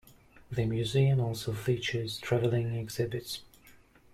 The museum also features traveling exhibits.